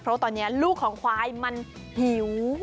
เพราะตอนนี้ลูกของควายมันหิว